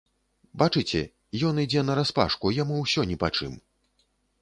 Бачыце, ён ідзе нараспашку, яму ўсё ні па чым.